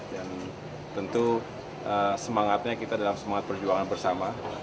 dan tentu semangatnya kita dalam semangat perjuangan bersama